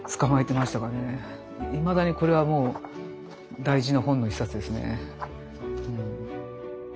いまだにこれはもう大事な本の一冊ですね。